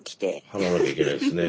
払わなきゃいけないですね。